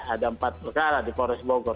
ada empat perkara di polres bogor